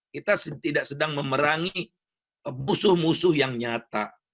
kita tidak sedang memerangi musuh musuh yang nyata